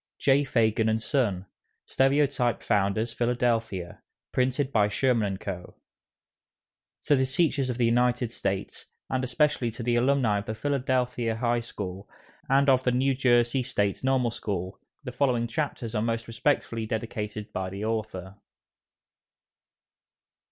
J. FAGAN & SON STEREOTYPE FOUNDERS, PHILADELPHIA. PRINTED BY SHERMAN & CO. TO THE Teachers of the United States, AND ESPECIALLY TO THE ALUMNI OF THE PHILADELPHIA HIGH SCHOOL, AND OF THE New Jersey State Normal School THE FOLLOWING CHAPTERS ARE MOST RESPECTFULLY DEDICATED BY THE AUTHOR.